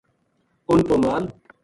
اِن پو مال